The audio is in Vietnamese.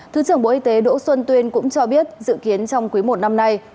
thứ trưởng bộ y tế đỗ xuân tuyên cũng cho biết dự kiến trong quý một năm nay